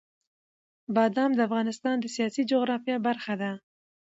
بادام د افغانستان د سیاسي جغرافیه برخه ده.